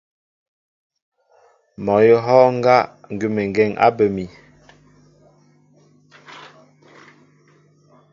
Mɔ awʉ̌ a hɔ́ɔ́ŋ ŋgá ŋgʉ́əŋgeŋ á bə mi.